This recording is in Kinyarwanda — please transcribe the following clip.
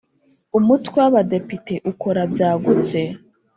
Umutwe w’ Abadepite ukora byagutse.